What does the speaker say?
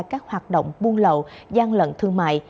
các hoạt động buôn lậu gian lận thương mại